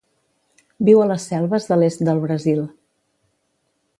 Viu a les selves de l'est del Brasil.